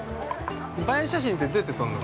◆映え写真ってどうやって撮るの？